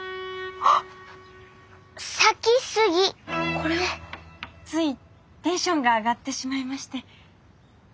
これはついテンションが上がってしまいまして。